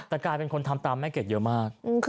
แต่กลายเป็นคนทำตามแม่เกดเยอะมาก